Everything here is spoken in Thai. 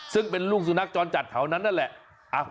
ซึ่งเป็นลูกสุนัขจรจัดแถวนั้นนั่นแหละ